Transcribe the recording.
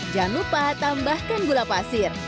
jangan lupa tambahkan gula pasir